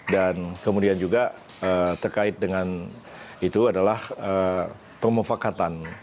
dan kemudian juga terkait dengan itu adalah permufakatan